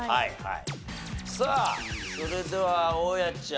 さあそれでは大家ちゃん。